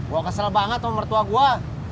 gue kesel banget sama mertua gue